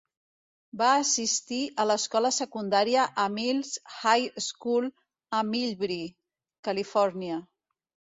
Va assistir a l'escola secundària a Mills High School a Millbrae, Califòrnia.